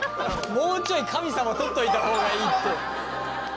もうちょい神様取っといた方がいいって。